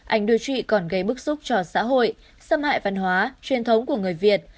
ảnh đưa trụy còn gây bức xúc cho xã hội xâm hại văn hóa truyền thống của người việt